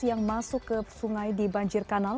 yang masuk ke sungai di banjir kanal